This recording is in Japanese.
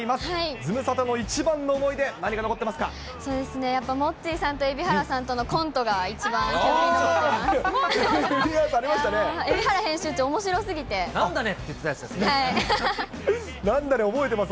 ズムサタの一番の思い出、何が残やっぱモッチーさんと、蛯原さんとのコントが、一番記憶に残ってます。